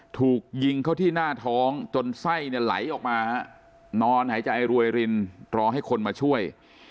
ถูกยิงเข้าที่หน้าท้องจนไส้เนี่ยไหลออกมานอนหายใจรวยรินรอให้คนมาช่วย